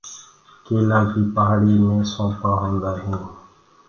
ڪيلآ ڪيٚ پآهڙي مي سونٚپآ هوندآ هينٚ۔